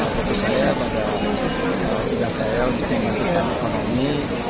fokus saya pada tugas saya untuk memastikan ekonomi